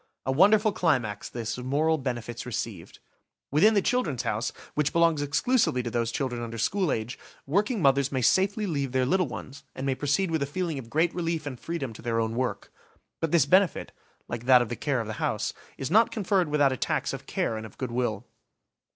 A wonderful climax, this, of moral benefits received! Within the "Children's House", which belongs exclusively to those children under school age, working mothers may safely leave their little ones, and may proceed with a feeling of great relief and freedom to their own work. But this benefit, like that of the care of the house, is not conferred without a tax of care and of good will.